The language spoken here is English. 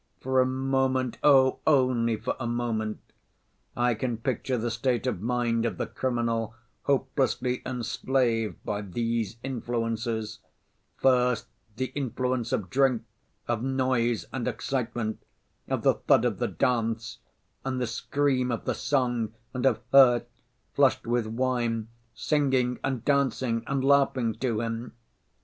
For a moment, oh, only for a moment! I can picture the state of mind of the criminal hopelessly enslaved by these influences—first, the influence of drink, of noise and excitement, of the thud of the dance and the scream of the song, and of her, flushed with wine, singing and dancing and laughing to him!